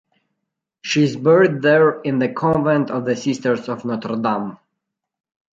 She is buried there in the Convent of the Sisters of Notre-Dame.